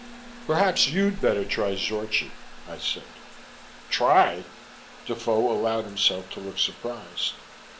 "Perhaps you'd better try Zorchi," I said. "Try?" Defoe allowed himself to look surprised.